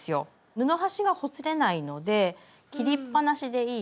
布端がほつれないので切りっぱなしでいい。